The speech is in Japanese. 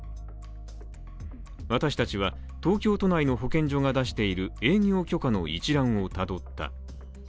私達は、東京都内の保健所が出している営業許可の一覧をたどった。